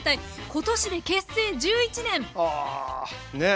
今年で結成１１年！は！ね。